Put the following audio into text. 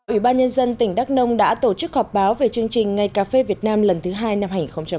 ủy ban nhân dân tỉnh đắk nông đã tổ chức họp báo về chương trình ngày cà phê việt nam lần thứ hai năm hai nghìn hai mươi